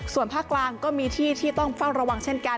ส่วนภาคกลางก็มีที่ที่ต้องเฝ้าระวังเช่นกัน